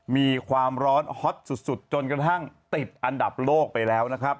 มีความร้อนฮอตสุดจนกระทั่งติดอันดับโลกไปแล้วนะครับ